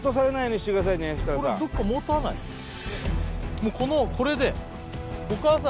もうこのこれで？